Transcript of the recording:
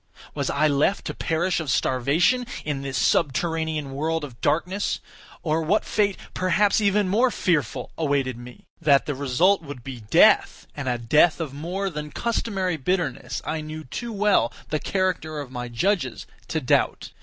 Was I left to perish of starvation in this subterranean world of darkness; or what fate, perhaps even more fearful, awaited me? That the result would be death, and a death of more than customary bitterness, I knew too well the character of my judges to doubt.